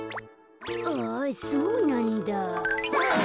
あっそうなんだ。